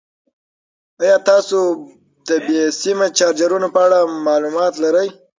ایا تاسو د بې سیمه چارجرونو په اړه معلومات لرئ؟